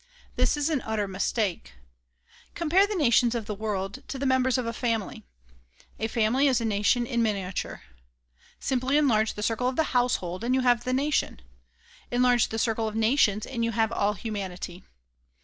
This is an utter mistake. Compare the nations of the world to the members of a family. A family is a nation in min iature. Simply enlarge the circle of the household and you have the nation. Enlarge the circle of nations and you have all hu manity.